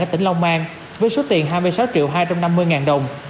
tỉnh long an với số tiền hai mươi sáu triệu hai trăm năm mươi ngàn đồng